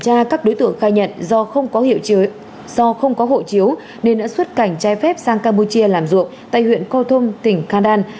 tài nhận do không có hộ chiếu nên đã xuất cảnh trái phép sang campuchia làm ruộng tại huyện kho thung tỉnh khanh đan